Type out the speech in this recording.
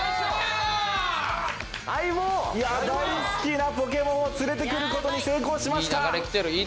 大好きなポケモンを連れてくることに成功しました。